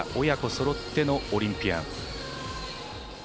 親子そろってのオリンピアン。